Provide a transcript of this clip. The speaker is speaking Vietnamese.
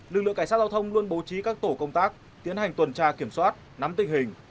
lực lượng cảnh sát giao thông luôn bố trí các tổ công tác tiến hành tuần tra kiểm soát nắm tình hình